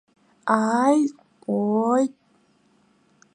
Ааит, ооит!